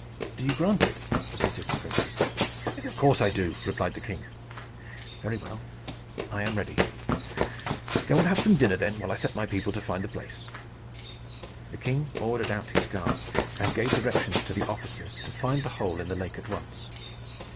"Do you grant it?" persisted the prince. "Of course I do," replied the king. "Very well. I am ready." "Go and have some dinner, then, while I set my people to find the place." The king ordered out his guards, and gave directions to the officers to find the hole in the lake at once.